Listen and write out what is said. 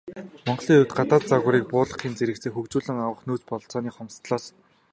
Монголын хувьд, гадаад загварыг буулгахын зэрэгцээ хөгжүүлэн авах нөөц бололцооны хомсдолоос ихээхэн шалтгаалжээ.